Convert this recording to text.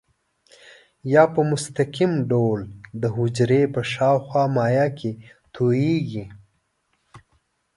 یا په مستقیم ډول د حجرې په شاوخوا مایع کې تویېږي.